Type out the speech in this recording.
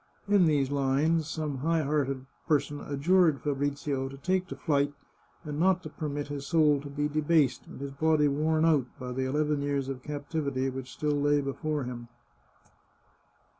In these lines, some high hearted per son adjured Fabrizio to take to flight, and not to permit his soul to be debased, and his body worn out, by the eleven years of captivity which still lay before him.